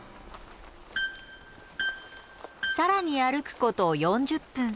更に歩くこと４０分。